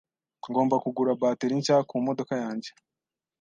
Ngomba kugura bateri nshya kumodoka yanjye.